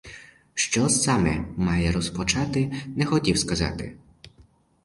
Що саме має розпочати, не хотів сказати.